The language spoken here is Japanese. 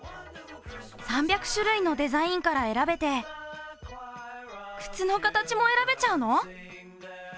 ３００種類のデザインから選べて靴の形も選べちゃうの？